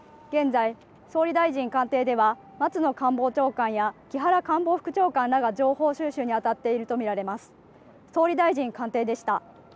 現在、総理大臣官邸では松野官房長官や木原官房副長官らが情報収集に当たっていると見られます。